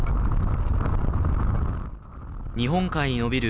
日本海にのびる